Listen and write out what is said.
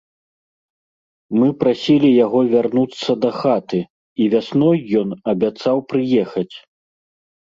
Мы прасілі яго вярнуцца дахаты, і вясной ён абяцаў прыехаць.